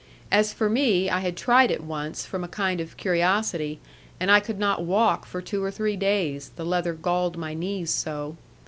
As for me, I had tried it once, from a kind of curiosity; and I could not walk for two or three days, the leather galled my knees so.